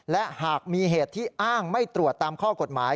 และหากมีเหตุที่อ้างไม่ตรวจตามข้อกฎหมาย